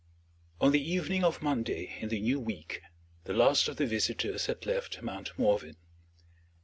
On the evening of Monday in the new week, the last of the visitors had left Mount Morven.